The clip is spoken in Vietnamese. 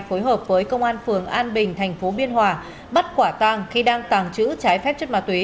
phối hợp với công an phường an bình thành phố biên hòa bắt quả tàng khi đang tàng trữ trái phép chất ma túy